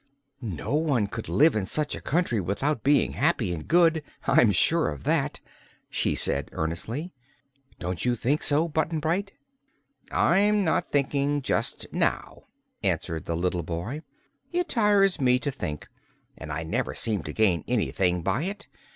"No one could live in such a country without being happy and good I'm sure of that," she said earnestly. "Don't you think so, Button Bright?" "I'm not thinking, just now," answered the little boy. "It tires me to think, and I never seem to gain anything by it.